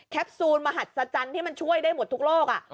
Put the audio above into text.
ซูลมหัศจรรย์ที่มันช่วยได้หมดทุกโลก